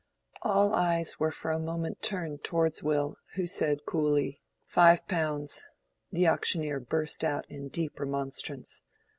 All eyes were for a moment turned towards Will, who said, coolly, "Five pounds." The auctioneer burst out in deep remonstrance.